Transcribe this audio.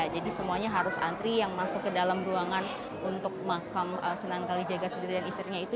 jadi semuanya harus antri yang masuk ke dalam ruangan untuk makam sunan kalijaga sendiri dan istrinya itu